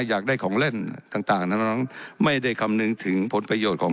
อยากได้ของเล่นต่างทั้งนั้นไม่ได้คำนึงถึงผลประโยชน์ของ